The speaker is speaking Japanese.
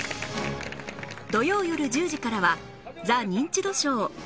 土曜よる１０時からは『ザ・ニンチドショー』